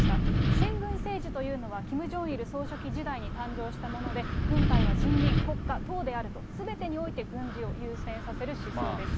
先軍政治というのは、キム・ジョンイル総書記時代に誕生したもので、軍隊は人民、国家、党であると、すべてにおいて軍事を優先させる思想でした。